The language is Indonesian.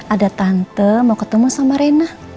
ada tante mau ketemu sama rena